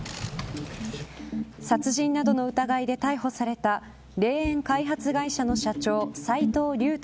殺人などの疑いで逮捕された霊園開発会社の社長斎藤竜太